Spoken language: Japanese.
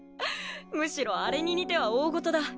むしろあれに似ては大ごとだ